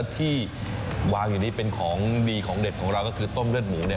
ที่วางอยู่นี้เป็นของดีของเด็ดของเราก็คือต้มเลือดหมูเนี่ย